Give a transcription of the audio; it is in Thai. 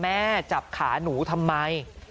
แม่จับขาหนูทำไม